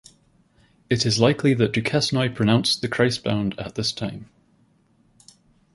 It is likely that Duquesnoy produced the "Christ Bound" at this time.